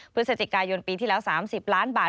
พฤศจิกายนปีที่แล้ว๓๐ล้านบาท